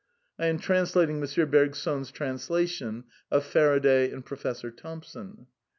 " (I am translating M. Bergson's translation of Faraday and Professor Thompson.)